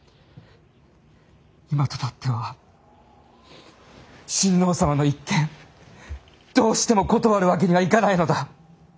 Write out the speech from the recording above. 今となっては親王様の一件どうしても断るわけにはいかないのだ。